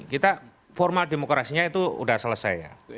kita formal demokrasinya itu sudah selesai ya